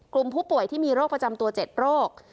กลุ่มผู้ป่วยที่มีโรคประจำตัว๗โรค